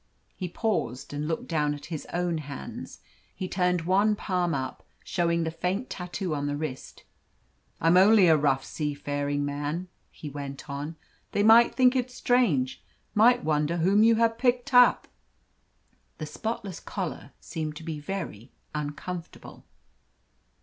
He paused and looked down at his own hands; he turned one palm up, showing the faint tattoo on the wrist. "I'm only a rough seafaring man," he went on. "They might think it strange might wonder whom you had picked up." The spotless collar seemed to be very uncomfortable.